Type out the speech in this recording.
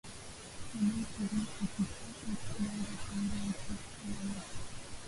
Mwanamke akitaka ku uza pango eko na haki